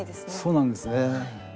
そうなんですね。